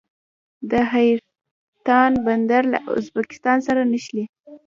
د حیرتان بندر له ازبکستان سره نښلي